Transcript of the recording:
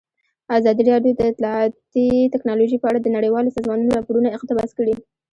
ازادي راډیو د اطلاعاتی تکنالوژي په اړه د نړیوالو سازمانونو راپورونه اقتباس کړي.